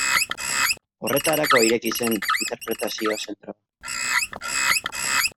Horretarako ireki zen interpretazio zentroa.